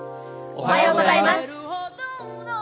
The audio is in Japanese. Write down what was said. おはようございます。